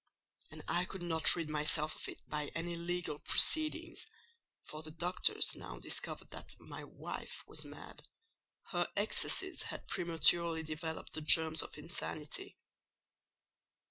And I could not rid myself of it by any legal proceedings: for the doctors now discovered that my wife was mad—her excesses had prematurely developed the germs of insanity.